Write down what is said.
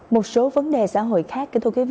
một số vấn đề xã hội khác